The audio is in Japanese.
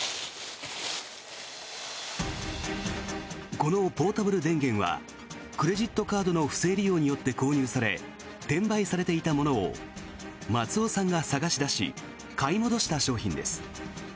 このポータブル電源はクレジットカードの不正利用によって購入され転売されていたものを松尾さんが探し出し買い戻した商品です。